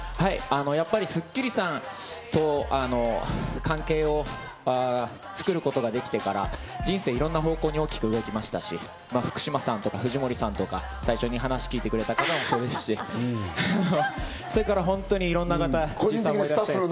やっぱり『スッキリ』さんと関係を作ることができてから、人生いろんな方向に大きく動きましたし、ふくしまさんとか、ふじもりさんとか、最初に話を聞いてくれた方もそうですし、それから本当にいろんな方。